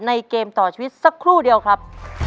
เกมต่อชีวิตสักครู่เดียวครับ